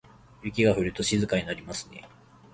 雪が降ると静かになりますね。